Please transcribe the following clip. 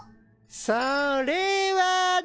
それはね。